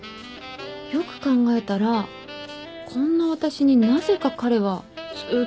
よく考えたらこんな私になぜか彼はずっと優しくて。